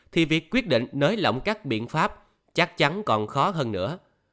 thì việc quyết định nới lỏng các biện pháp chắc chắn còn khó hơn nữa